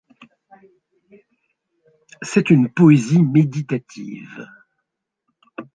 C’est une poésie méditative.